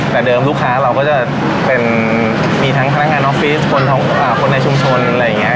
แต่เดิมลูกค้าเราก็จะเป็นมีทั้งพนักงานออฟฟิศคนในชุมชนอะไรอย่างนี้